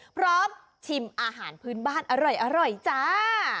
พร้อมชิมอาหารพื้นบ้านอร่อยจ้า